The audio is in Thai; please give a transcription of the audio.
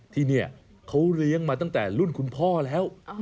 ที่นี่เขาเลี้ยงมาตั้งแต่รุ่นคุณพ่อแล้ว